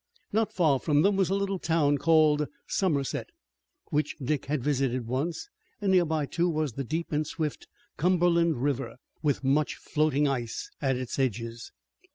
Not far from them was a little town called Somerset, which Dick had visited once, and near by, too, was the deep and swift Cumberland River, with much floating ice at its edges.